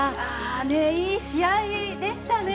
いい試合でしたね。